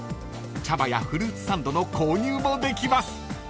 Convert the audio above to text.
［茶葉やフルーツサンドの購入もできます］